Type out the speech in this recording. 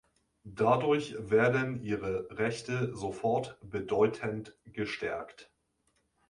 Dadurch werden ihre Rechte sofort bedeutend gestärkt.